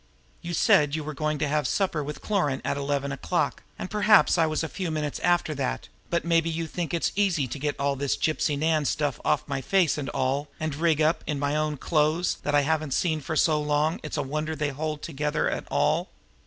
You said you were going to have supper with Cloran at about eleven o'clock, and perhaps I was a few minutes after that, but maybe you think it's easy to get all this Gypsy Nan stuff off me face and all, and rig up in my own clothes that I haven't seen for so long it's a wonder they hold together at all.